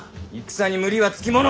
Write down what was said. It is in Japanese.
戦に無理は付き物。